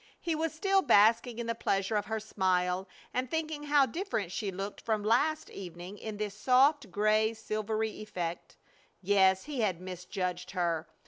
He was still basking in the pleasure of her smile, and thinking how different she looked from last evening in this soft, gray, silvery effect. Yes, he had misjudged her.